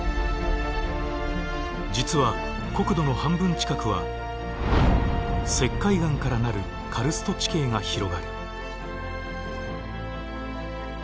実は国土の半分近くは石灰岩からなるカルスト地形が広がる。